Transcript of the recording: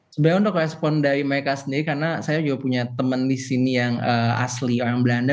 sebenarnya untuk respon dari mereka sendiri karena saya juga punya teman di sini yang asli orang belanda